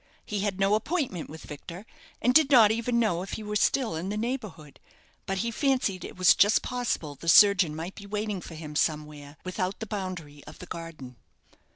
He had no appointment with Victor, and did not even know if he were still in the neighbourhood; but he fancied it was just possible the surgeon might be waiting for him somewhere without the boundary of the garden.